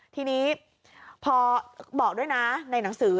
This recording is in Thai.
ทีนี้พอบอกด้วยนะในหนังสือ